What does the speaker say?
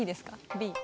Ｂ？